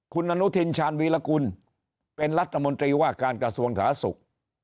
คุณอนุทินชาญวีรกุลเป็นรัฐมนตรีว่าการกระทรวงสาธารณสุข